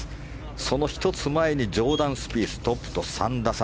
その１つ前にジョーダン・スピーストップと３打差。